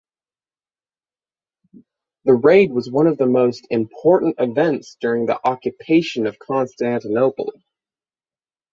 The raid was one of the most important events during the Occupation of Constantinople.